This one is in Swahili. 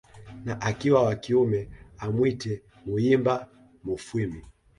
na akiwa wa kiume amwite Muyinga mufwimi